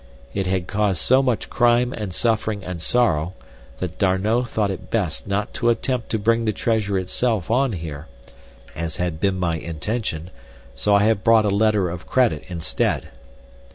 It had caused so much crime and suffering and sorrow that D'Arnot thought it best not to attempt to bring the treasure itself on here, as had been my intention, so I have brought a letter of credit instead.